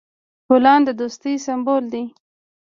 ګلان د دوستی سمبول دي.